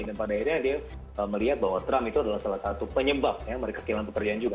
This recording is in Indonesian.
dan pada akhirnya dia melihat bahwa trump itu adalah salah satu penyebab mereka kehilangan pekerjaan juga